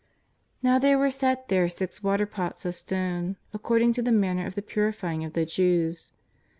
'Now there were set there six water pots of stone, ac cording to the manner of the purifying of the Jews.